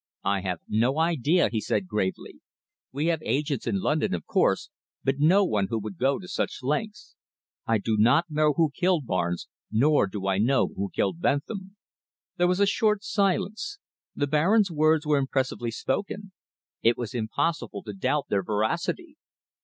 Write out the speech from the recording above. "I have no idea," he said gravely. "We have agents in London, of course, but no one who would go to such lengths. I do not know who killed Barnes, nor do I know who killed Bentham." There was a short silence. The Baron's words were impressively spoken. It was impossible to doubt their veracity.